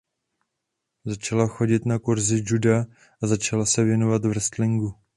Začala chodit na kurzy juda a začala se věnovat wrestlingu.